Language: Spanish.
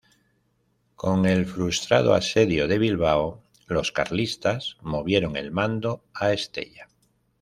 Con el frustrado Asedio de Bilbao los carlistas movieron el mando a Estella.